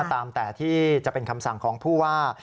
ตามแต่ที่จะเป็นคำสั่งของผู้ว่า